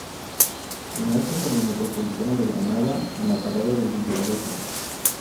Enlaza con el Metropolitano de Granada en la parada de Villarejo.